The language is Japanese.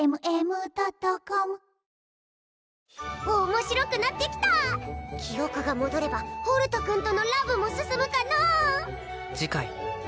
面白くなってきた記憶が戻ればホルト君とのラブも進むかのう